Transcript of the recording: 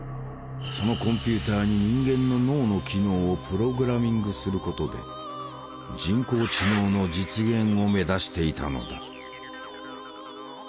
そのコンピューターに人間の脳の機能をプログラミングすることで人工知能の実現を目指していたのだ。